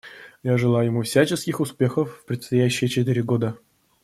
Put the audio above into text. Я желаю ему всяческих успехов в предстоящие четыре года.